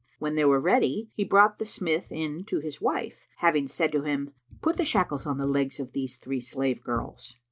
When they were ready, he brought the smith in to his wife, having said to him, "Put the shackles on the legs of these three slave girls."